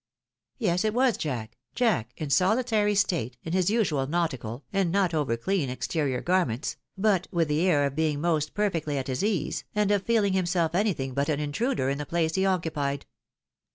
Yes, it was Jack, Jack in sohtary state, in his usual nautical, and not over clean, exterior garments, but with the air of being most per fectly at his ease, and of feeling himself anything but an intruder in the place he occupied.